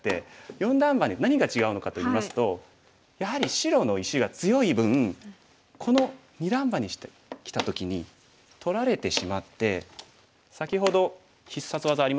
四段バネ何が違うのかといいますとやはり白の石が強い分この二段バネしてきた時に取られてしまって先ほど必殺技ありましたよね。